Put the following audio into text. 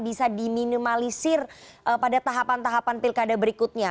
bisa diminimalisir pada tahapan tahapan pilkada berikutnya